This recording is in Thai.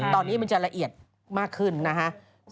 ตอนนี้มันจะละเอียดมากขึ้นนะฮะ